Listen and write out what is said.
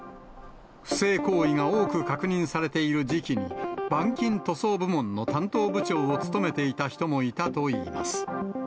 不正行為が多く確認されている時期に、板金塗装部門の担当部長を務めていた人もいたといいます。